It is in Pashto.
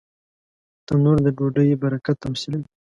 تنور د ډوډۍ برکت تمثیلوي